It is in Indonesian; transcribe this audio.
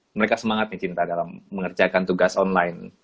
mereka semangat nih cinta dalam mengerjakan tugas online